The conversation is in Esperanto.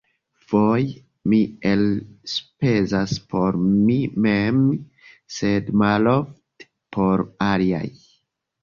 Foje mi elspezas por mi mem, sed malofte por aliaj.